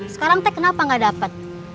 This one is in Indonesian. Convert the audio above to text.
sekarang teh kenapa gak dapat